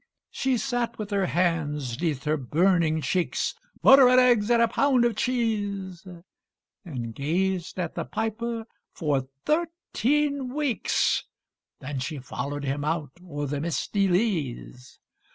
She sat with her hands 'neath her burning cheeks, (Butter and eggs and a pound of cheese) And gazed at the piper for thirteen weeks; Then she followed him out o'er the misty leas.